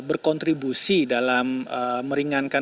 dan berkontribusi dalam meringkauan masyarakat